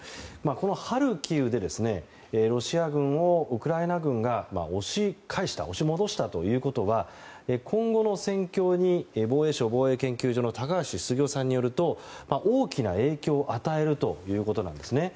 このハルキウでロシア軍をウクライナ軍が押し返した押し戻したということは今後の戦況に防衛省防衛研究所の高橋杉雄さんによると大きな影響を与えるということなんです。